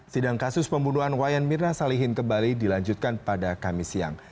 sidang kasus pembunuhan wayan mirna salihin kembali dilanjutkan pada kamis siang